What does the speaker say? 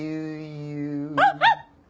あっあっ！